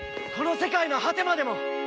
この世界の果てまでも！